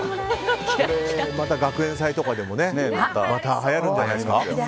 また学園祭とかでもはやるんじゃないですか？